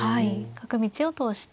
角道を通して。